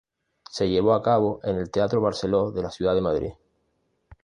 Se llevó a cabo en el Teatro Barceló de la ciudad de Madrid.